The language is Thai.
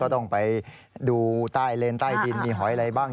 ต้องไปดูใต้เลนใต้ดินมีหอยอะไรบ้าง